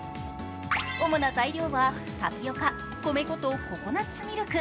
主な材料はタピオカ、米粉とココナツミルク。